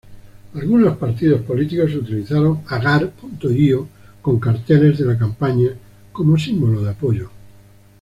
Algunos partidos políticos utilizaron Agar.io con carteles de la campaña como símbolo de apoyo.